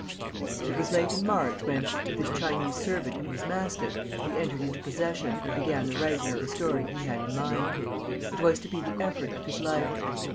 It was late in March when, with his Chinese servant and his mastiff, he entered into possession and began the writing of the story he had in mind. It was to be the effort of his life.